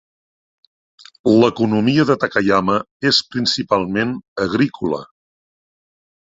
L'economia de Takayama és principalment agrícola.